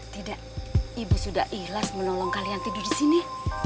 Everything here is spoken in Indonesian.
tidak ibu sudah ikhlas menolong kalian tidur disini